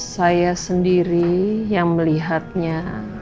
saya sendiri yang melihatnya